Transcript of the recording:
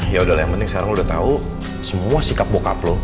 ya udahlah yang penting sekarang lo udah tahu semua sikap bapak lo